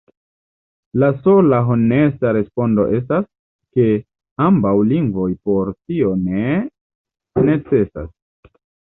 La sola honesta respondo estas, ke ambaŭ lingvoj por tio ne necesas.